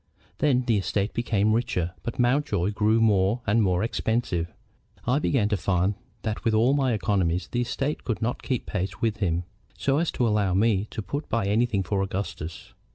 Then the estate became richer, but Mountjoy grew more and more expensive. I began to find that with all my economies the estate could not keep pace with him, so as to allow me to put by anything for Augustus.